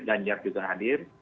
ganjad juga hadir